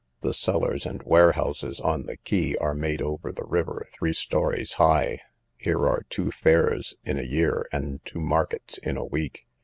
The cellars and warehouses, on the quay, are made over the river three stories high. Here are two fairs in a year, and two markets in a week.